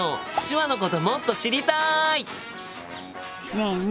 ねえね